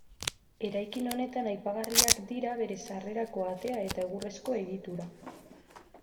Eraikin honetan aipagarriak dira bere sarrerako atea eta egurrezko egitura.